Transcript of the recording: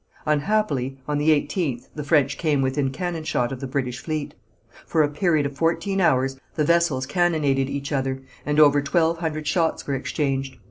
Unhappily, on the eighteenth the French came within cannon shot of the British fleet. For a period of fourteen hours the vessels cannonaded each other, and over twelve hundred shots were exchanged.